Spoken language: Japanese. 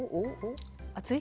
熱い？